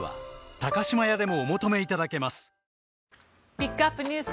ピックアップＮＥＷＳ